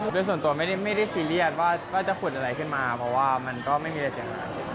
โดยส่วนตัวไม่ได้ซีเรียสว่าจะขุดอะไรขึ้นมาเพราะว่ามันก็ไม่มีอะไรเสียหาย